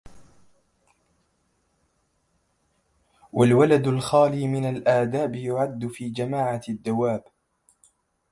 والولد الخالي من الآداب يُعَدُ في جماعة الدواب